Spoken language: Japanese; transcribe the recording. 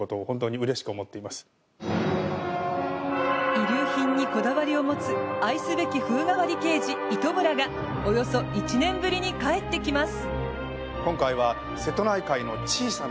遺留品にこだわりを持つ愛すべき風変わり刑事・糸村がおよそ１年ぶりに帰ってきます。